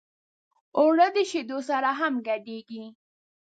اوړه د شیدو سره هم ګډېږي